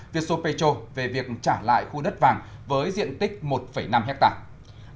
vietso petro về việc trả lại khu đất vàng với diện tích một năm hectare